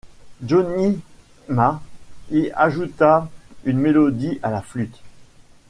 Johnny Marr y ajouta une mélodie à la flûte.